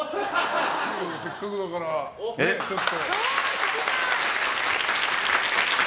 せっかくだから、ちょっと。